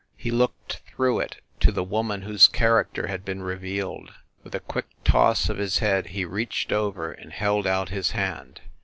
He looked through it to the woman whose character had been revealed. With a quick toss of his head he reached over and held out his hand.